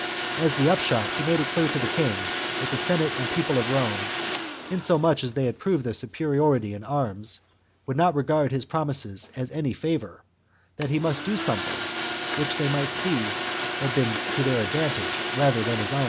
As the upshot he made it clear to the king that the Senate and people of Rome, inasmuch as they had proved their superiority in arms, would not regard his promises as any favour; that he must do something which they might see had been to their advantage rather than his Q CXI.